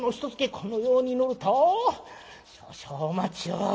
このように塗ると少々お待ちを。